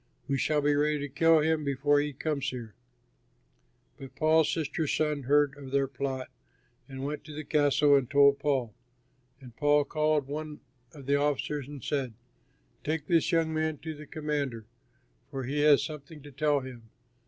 We shall be ready to kill him before he comes here." But Paul's sister's son heard of their plot and went to the castle and told Paul. And Paul called one of the officers and said, "Take this young man to the commander, for he has something to tell him."